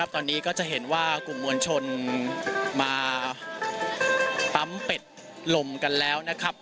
ตอนนี้ก็จะเห็นว่ากลุ่มมวลชนมาปั๊มเป็ดลมกันแล้วนะครับ